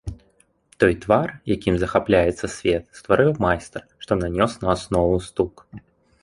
Той твар, якім захапляецца свет, стварыў майстар, што нанёс на аснову стук.